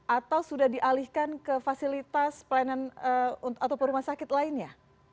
atau sudah dialihkan ke fasilitas pelayanan atau rumah sakit lainnya